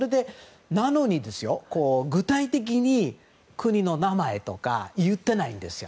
なのに具体的に国の名前とか言ってないんですよ。